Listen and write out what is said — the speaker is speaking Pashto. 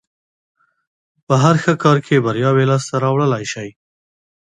په هر ښه کار کې برياوې لاس ته راوړلای شي.